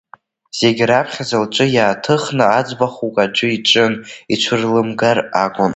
Зегь раԥхьаӡа лҿы иааҭыхны аӡбахәык аӡәы иҿы ицәырлымгар акәын.